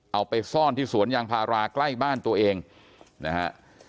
เอาไปซ่อนที่สวนยางพาราใกล้บ้านตัวเองนะฮะ